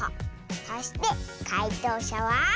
そしてかいとうしゃは。